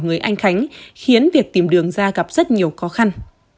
người anh khánh khiến việc tìm đường ra gặp rất nhiều khó khăn